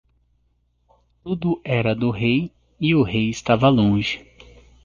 Tudo era do rei e o rei estava longe.